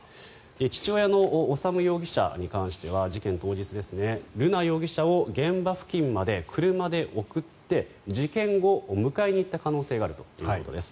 父親の修容疑者に関しては事件当日瑠奈容疑者を現場付近まで車で送って事件後、迎えに行った可能性があるということです。